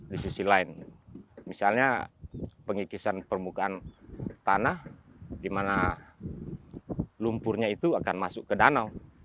di sisi lain misalnya pengikisan permukaan tanah di mana lumpurnya itu akan masuk ke danau